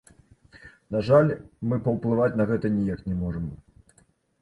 На жаль, мы паўплываць на гэта ніяк не можам.